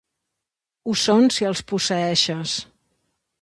Ho són si els posseeixes.